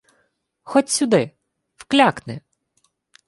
— Ходь сюди... Вклякни.